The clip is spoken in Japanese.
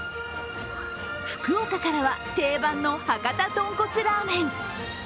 福岡からは定番の博多豚骨ラーメン。